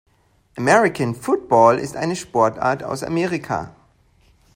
American Football ist eine Sportart aus Amerika.